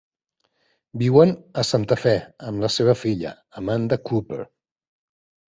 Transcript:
Viuen a Santa Fe amb la seva filla, Amanda Cooper.